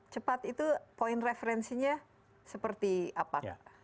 cepat itu poin referensinya seperti apa